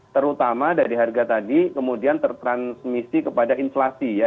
terutama dari harga tadi kemudian tertransmisi kepada inflasi ya